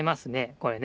これね。